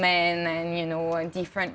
dengan wanita dan lelaki berbeda umur